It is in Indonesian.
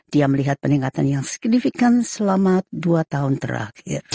dia melihat peningkatan yang signifikan selama dua tahun terakhir